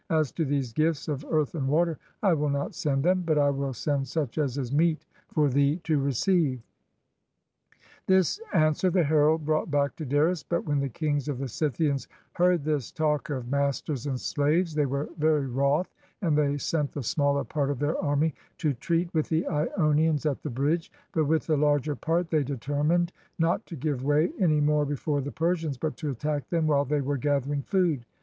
As to these gifts of earth and water, I will not send them; but I will send such as is meet for thee to receive." This answer the herald brought back to Darius; but when the kings of the Scythians heard this talk of mas ters and slaves they were very wroth, and they sent the smaller part of their army to treat with the lonians at the bridge; but with the larger part they determined not to give way any more before the Persians, but to attack them while they were gathering food.